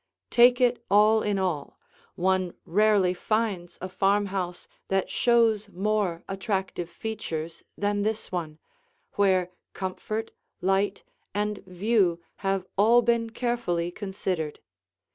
Take it all in all, one rarely finds a farmhouse that shows more attractive features than this one, where comfort, light, and view have all been carefully considered.